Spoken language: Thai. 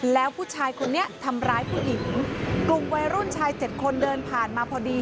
แล้วผู้ชายคนนี้ทำร้ายผู้หญิงกลุ่มวัยรุ่นชายเจ็ดคนเดินผ่านมาพอดี